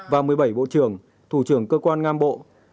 và một mươi bảy bộ trưởng thủ trưởng cơ quan ngang bộ